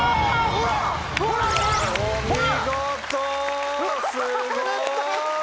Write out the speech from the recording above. お見事！